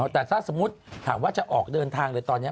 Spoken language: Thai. แต่ถ้าสมมุติถามว่าจะออกเดินทางเลยตอนนี้